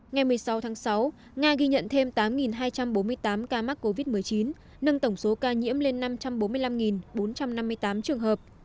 ngày một mươi sáu tháng sáu nga ghi nhận thêm tám hai trăm bốn mươi tám ca mắc covid một mươi chín nâng tổng số ca nhiễm lên năm trăm bốn mươi năm bốn trăm năm mươi tám trường hợp